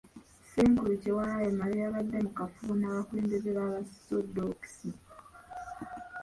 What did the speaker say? Ssenkulu Kyewalabye Male yabadde mu kafubo n'abakulembeze b'Abasoddokisi.